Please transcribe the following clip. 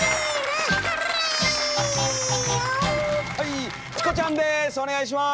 はいチコちゃんです。